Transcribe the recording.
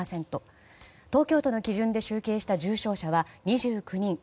東京都の基準で集計した重症者は２９人。